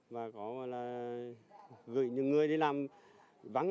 và có là gửi những người đi làm vắng